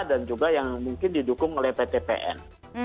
dan juga yang mungkin didukung oleh ptpn